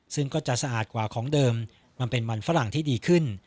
ซึ่งก็จะสะอาดกว่าของเดิมมันเป็นมันฝรั่งที่ดีขึ้น